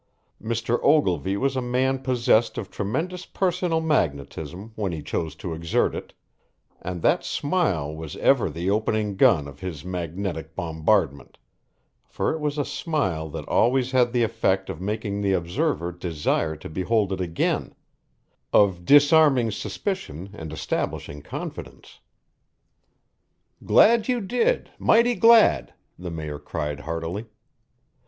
Mr. Ogilvy was a man possessed of tremendous personal magnetism when he chose to exert it, and that smile was ever the opening gun of his magnetic bombardment, for it was a smile that always had the effect of making the observer desire to behold it again of disarming suspicion and establishing confidence. "Glad you did mighty glad," the Mayor cried heartily.